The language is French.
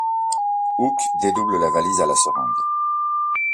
Hook dédouble la valise à la seringue.